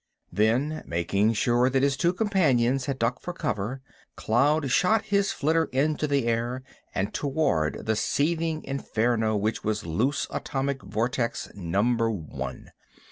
Then, making sure that his two companions had ducked for cover, Cloud shot his flitter into the air and toward the seething inferno which was Loose Atomic Vortex Number One.